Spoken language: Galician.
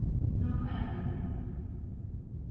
Non foi a miña culpa.